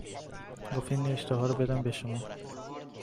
گفت این نوشته ها رو بدم به شما